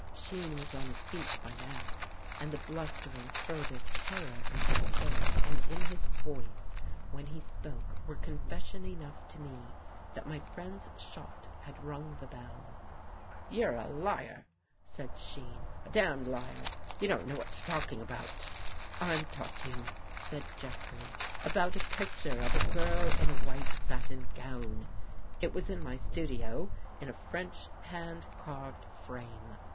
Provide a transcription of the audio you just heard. Shean was on his feet by now and the blustering, furtive terror in his face and in his voice when he spoke, were confession enough to me that my friend's shot had rung the bell. " You're a liar," said Shean. " A damned liar. You don't know what you're talking about." " I'm talking," said Jeffrey, " about a picture of a girl in a white satin gown. It was in my studio in a French, hand carved frame.